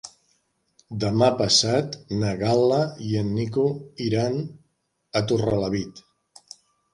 Demà passat na Gal·la i en Nico iran a Torrelavit.